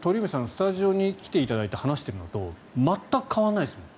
スタジオに来ていただいて話しているのと全く変わらないですもん。